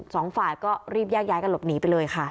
สองฝ่ายก็รีบแยกย้ายกันหลบหนีไปเลยค่ะ